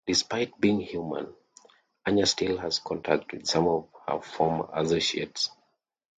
Despite being human, Anya still has contacts with some of her former associates.